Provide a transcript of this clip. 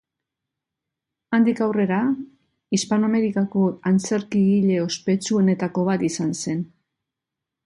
Handik aurrera, Hispanoamerikako antzerkigile ospetsuenetako bat izan zen.